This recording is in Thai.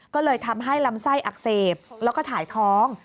ก็เลยทำให้ลำไส้อักเสบแล้วก็ถ่ายท้อง